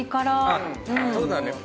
そうだね。